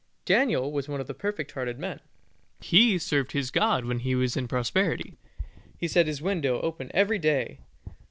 Daniel was one of the perfect hearted men; he served his God when he was in prosperity. He set his window open every day.